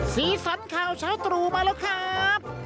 สีสันข่าวเช้าตรูมาแล้วครับ